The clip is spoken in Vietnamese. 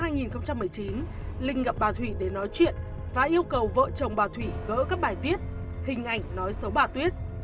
lê công tuấn anh gặp bà thủy để nói chuyện và yêu cầu vợ chồng bà thủy gỡ các bài viết hình ảnh nói số bà tuyết